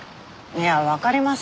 いやわかりません。